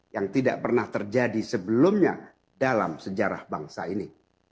yang tidak pernah terjadi sebelumnya dalam sejarah bangsa ini